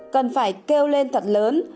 cần phải kêu lên thật lớn